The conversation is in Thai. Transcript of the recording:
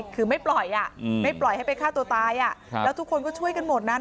คือไม่ปล่อยไม่ปล่อยให้ไปฆ่าตัวตายแล้วทุกคนก็ช่วยกันหมดนะ